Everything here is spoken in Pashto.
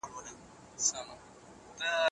املا د جملو مانا په سمه توګه لېږدوي.